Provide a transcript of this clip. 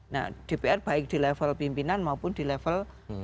nah dpr baik di level pimpinan maupun di level